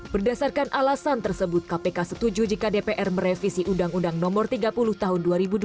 berdasarkan alasan tersebut kpk setuju jika dpr merevisi undang undang no tiga puluh tahun dua ribu dua